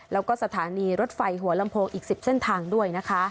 แล้วก็สถานีรถไฟหัวลำโพงอีก๑๐เส้นทางด้วยนะคะ